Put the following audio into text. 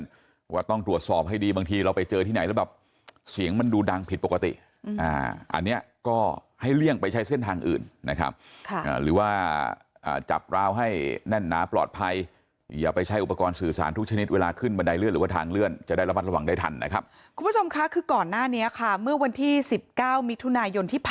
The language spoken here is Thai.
ว่าต้องตรวจสอบให้ดีบางทีเราไปเจอที่ไหนแล้วแบบเสียงมันดูดังผิดปกติอันนี้ก็ให้เลี่ยงไปใช้เส้นทางอื่นนะครับค่ะหรือว่าจับราวให้แน่นหนาปลอดภัยอย่าไปใช้อุปกรณ์สื่อสารทุกชนิดเวลาขึ้นบันไดเลื่อนหรือว่าทางเลื่อนจะได้ระมัดระวังได้ทันนะครับคุณผู้ชมค่ะคือก่อนหน้านี้ค่ะเมื่อวันที่สิบเก้ามิถุนายนที่พ